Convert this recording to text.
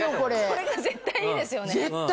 これが絶対いいですよね。